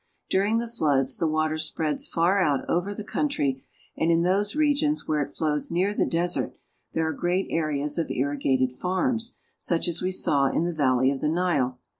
During the floods the water spreads far out over the ^^H country, and in those regions where it flows near the des ^^H ert there are great areas of irrigated farms, such as we saw ^^K in the valley of the Nile.